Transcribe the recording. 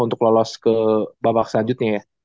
untuk lolos ke babak selanjutnya ya